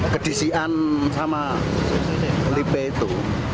kedisian sama lipe itu